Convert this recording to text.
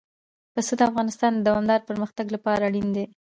پسه د افغانستان د دوامداره پرمختګ لپاره اړین دي.